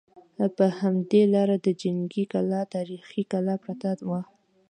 په همدې لاره د جنګي کلا تاریخي کلا پرته وه.